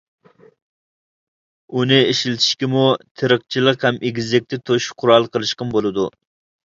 ئۇنى ئىشلىتىشكىمۇ، تېرىقچىلىق، ھەم ئېگىزلىكتە توشۇش قورالى قىلىشقىمۇ بولىدۇ.